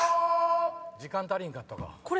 時間足りんかったか。